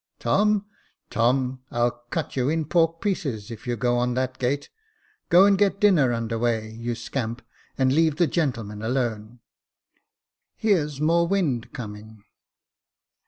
" Tom, Tom, I'll cut you into pork pieces, if you go on that gait. Go and get dinner under weigh, you scamp, and leave the gentleman alone. Here's more wind coming.